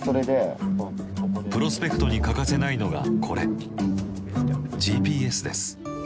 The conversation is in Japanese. プロスペクトに欠かせないのがこれＧＰＳです。